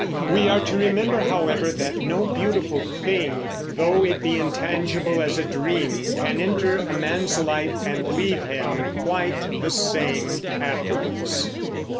We are to remember, however, that no beautiful thing, though it be intangible as a dream, can enter a man's life and leave him quite the same afterwards.